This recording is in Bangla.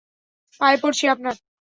পায়ে পড়ছি আপনার।